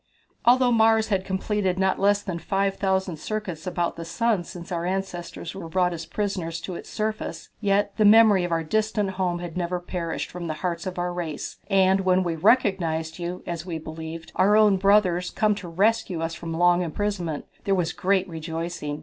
"Although Mars had completed not less than five thousand circuits about the sun since our ancestors were brought as prisoners to its surface, yet the memory of our distant home had never perished from the hearts of our race, and when we recognized you, as we believed, our own brothers, come to rescue us from long imprisonment, there was great rejoicing.